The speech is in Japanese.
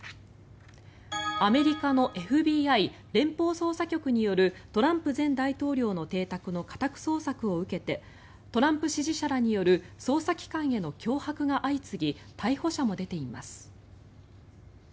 アメリカのＦＢＩ・連邦捜査局によるトランプ前大統領の邸宅の家宅捜索を受けてトランプ支持者らによる捜査機関への脅迫が相次ぎ逮捕者も出ています。